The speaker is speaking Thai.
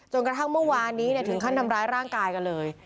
กระทั่งเมื่อวานนี้ถึงขั้นทำร้ายร่างกายกันเลย